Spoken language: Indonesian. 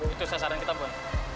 itu sasaran kita bon